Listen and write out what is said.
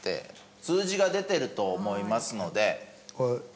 数字が出てると思いますので。